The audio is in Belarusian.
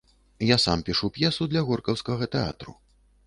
Я сам пішу п'есу для горкаўскага тэатру.